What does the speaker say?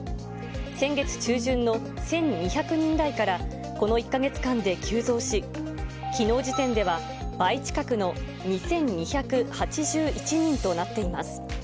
先月中旬の１２００人台からこの１か月間で急増し、きのう時点では倍近くの２２８１人となっています。